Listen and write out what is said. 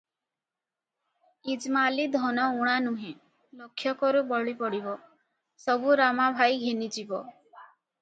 ଇଜମାଲୀ ଧନ ଊଣା ନୁହେ, ଲକ୍ଷକରୁ ବଳି ପଡିବ, ସବୁ ରାମା ଭାଇ ଘେନି ଯିବ ।